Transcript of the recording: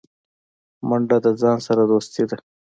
منډه د ځان سره دوستي ده